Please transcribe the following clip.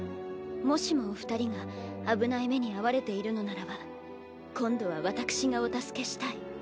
もしもお二人が危ない目に遭われているのならば今度は私がお助けしたい。